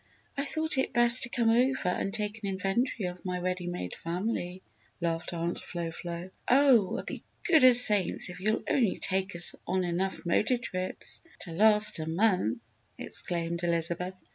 "I thought it best to come over and take an inventory of my ready made family," laughed Aunt Flo Flo. "Oh, we'll be good as saints if you'll only take us on enough motor trips to last a month!" exclaimed Elizabeth.